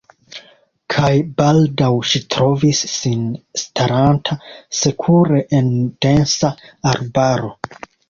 Kaj baldaŭ ŝi trovis sin staranta sekure en densa arbaro.